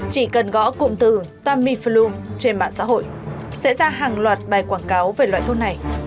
chỉ cần gõ cụm từ tamiflu trên mạng xã hội sẽ ra hàng loạt bài quảng cáo về loại thuốc này